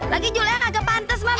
lagi julian gak ke pantas mak